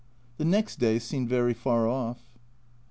The next day seemed very far off.